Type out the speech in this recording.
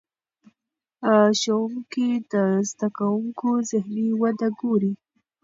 ښوونکي د زده کوونکو ذهني وده ګوري.